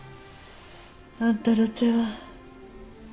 あんたの手は。